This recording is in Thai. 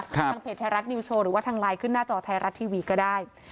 ทางเพจไทยรัฐนิวโชว์หรือว่าทางไลน์ขึ้นหน้าจอไทยรัฐทีวีก็ได้